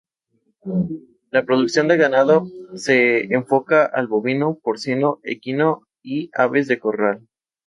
La producción de ganado, se enfoca al bovino, porcino, equino y aves de corral.